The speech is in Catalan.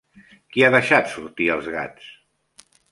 Qui ha deixat sortir als gats?